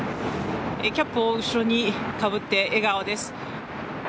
キャップを後ろにかぶって笑顔です。